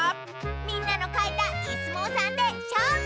みんなのかいたイスもうさんでしょうぶ！